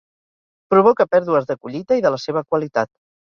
Provoca pèrdues de collita i de la seva qualitat.